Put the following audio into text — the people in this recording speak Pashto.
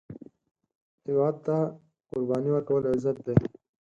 هیواد ته قرباني ورکول، عزت دی